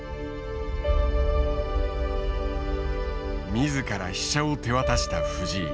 自ら飛車を手渡した藤井。